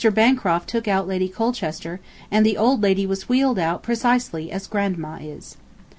Bancroft took out Lady Colchester, and the old lady was wheeled out precisely as Grandma is.